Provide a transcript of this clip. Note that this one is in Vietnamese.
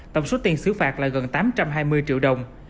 tổng số tiền xứ phạt là gần tám trăm hai mươi triệu đồng